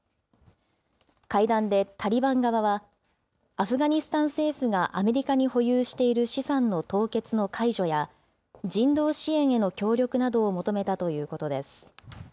会談でタリバン側は、アフガニスタン政府がアメリカに保有している資産の凍結の解除や、人道支援への協力などを求めたということです。